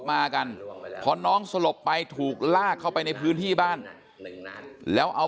มากันพอน้องสลบไปถูกลากเข้าไปในพื้นที่บ้านแล้วเอา